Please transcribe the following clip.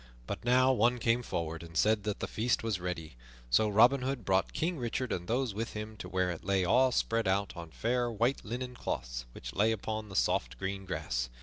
But now one came forward and said that the feast was ready; so Robin Hood brought King Richard and those with him to where it lay all spread out on fair white linen cloths which lay upon the soft green grass.